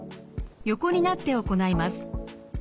横になって行います。